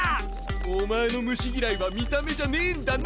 お前の虫嫌いは見た目じゃねえんだな！